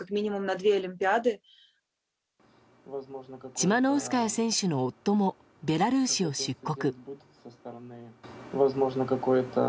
チマノウスカヤ選手の夫もベラルーシを出国。